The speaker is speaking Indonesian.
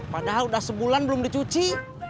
padahal sudah sebulan belum dicuci